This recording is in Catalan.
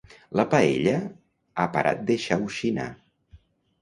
La paella ha parat de xauxinar.